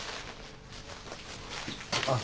あっ。